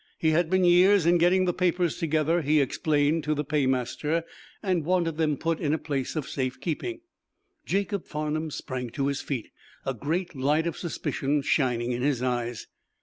He had been years in getting the papers together, he explained to the paymaster, and wanted them put in a place of safe keeping." Jacob Farnum sprang to his feet, a great light of suspicion shining in his eyes.